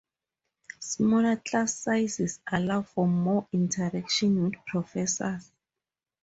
Smaller class sizes allow for more interaction with professors.